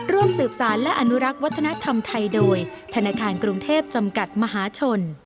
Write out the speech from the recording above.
ร่วมสืบสารและอนุรักษ์วัฒนธรรมไทยโดยธนาคารกรุงเทพจำกัดมหาชน